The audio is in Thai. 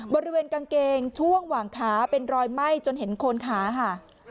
บริเวณกางเกงช่วงหว่างขาเป็นรอยไหม้จนเห็นโคนขาค่ะ